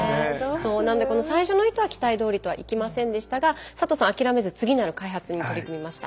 なのでこの最初の糸は期待どおりとはいきませんでしたが佐藤さん諦めず次なる開発に取り組みました。